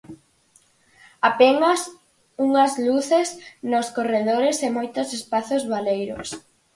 Apenas unhas luces nos corredores e moitos espazos baleiros.